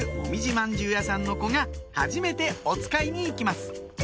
饅頭屋さんの子がはじめておつかいに行きます